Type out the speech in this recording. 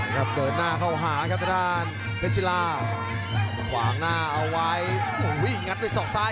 ไม่กลัวเว้ย